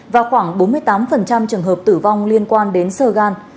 và khoảng bốn mươi tám trường hợp tử vong liên quan đến sơ gan